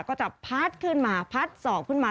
ก็จะพัดขึ้นมาพัดศอกขึ้นมา